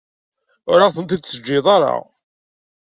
Ur aɣ-ten-id-teǧǧiḍ ara.